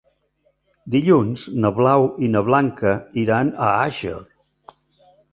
Dilluns na Blau i na Blanca iran a Àger.